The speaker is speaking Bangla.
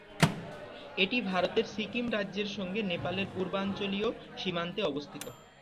এটি ভারতের সিকিম রাজ্যের সঙ্গে নেপালের পূর্বাঞ্চলীয় সীমান্তে অবস্থিত।